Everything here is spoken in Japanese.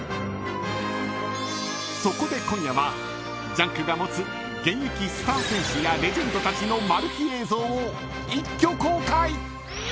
［そこで今夜は『ジャンク』が持つ現役スター選手やレジェンドたちのマル秘映像を一挙公開］